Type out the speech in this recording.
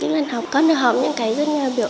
bạn trai tự trả mỗi đứa nhỏ